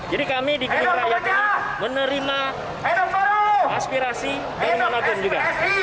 jadi kami dikirakan menerima aspirasi dari masyarakat sumsel